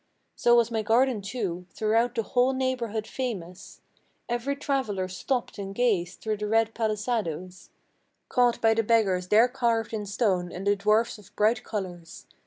So was my garden, too, throughout the whole neighborhood famous: Every traveller stopped and gazed through the red palisadoes, Caught by the beggars there carved in stone and the dwarfs of bright colors.